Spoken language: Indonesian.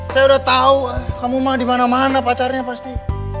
saya udah tahu kamu mah dimana mana pacarnya pasti